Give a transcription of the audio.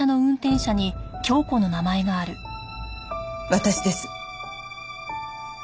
私です。